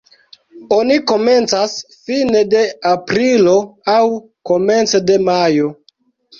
Oni komencas fine de aprilo aŭ komence de majo.